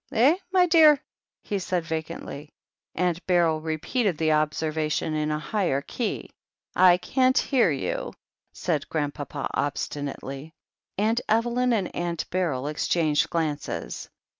"Eh, mytdear?" he said vacantly. Aunt Beryl repeated the observation in a higher key. "I can't hear you," said Grandpapa obstinately. Aunt Evelyn arid Aunt Beryl exchanged glances.